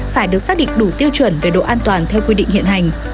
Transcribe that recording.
phải được xác định đủ tiêu chuẩn về độ an toàn theo quy định hiện hành